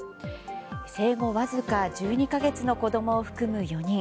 生後わずか１２か月の子供を含む４人。